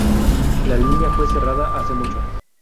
La línea fue cerrada hace mucho.